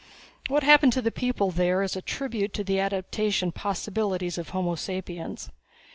What happened to the people there is a tribute to the adaptation possibilities of homo sapiens.